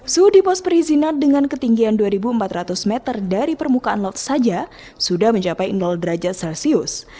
suhu di pos perizinan dengan ketinggian dua empat ratus meter dari permukaan laut saja sudah mencapai derajat celcius